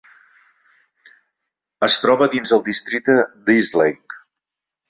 Es troba dins el districte d'Eastleigh.